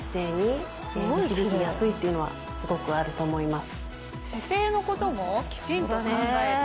っていうのはすごくあると思います。